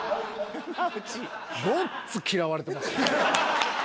ごっつ嫌われてますね。